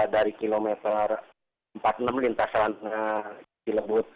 dari kilometer empat puluh enam lintasan cilebut